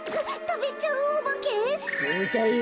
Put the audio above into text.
そうだよ。